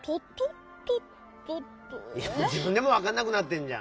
えっ⁉じぶんでもわかんなくなってんじゃん！